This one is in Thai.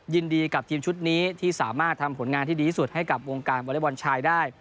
ยินดีกับทีมชุดนี้ที่สามารถทำผลงานที่ดีที่สุดให้กับวงการวอเล็กบอลชายได้